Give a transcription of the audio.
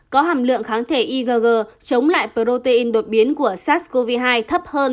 có hàm lượng kháng thể igg chống lại protein đột biến của sars cov hai thấp hơn